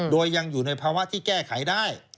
โดยยังอยู่ในภาวะที่แก้ไขได้